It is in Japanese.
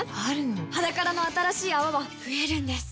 「ｈａｄａｋａｒａ」の新しい泡は増えるんです